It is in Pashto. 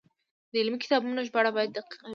د علمي کتابونو ژباړه باید دقیقه وي.